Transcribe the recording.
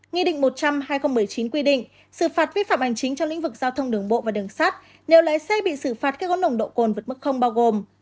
nghị định một trăm linh hai nghìn một mươi chín quy định xử phạt viết phạm ảnh chính trong lĩnh vực giao thông đường bộ và đường sát nếu lấy xe bị xử phạt khi có nông độ côn vượt mức không bao gồm